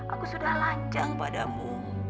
aku sudah lancang padamu